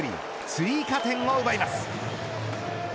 追加点を奪います。